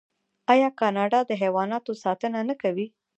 آیا کاناډا د حیواناتو ساتنه نه کوي؟